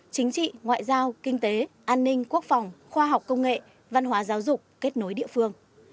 chính trị ngoại giao kinh tế an ninh quốc phòng khoa học công nghệ văn hóa giáo dục kết nối địa phương